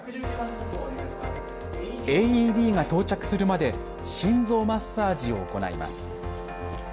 ＡＥＤが到着するまで心臓マッサージを行います。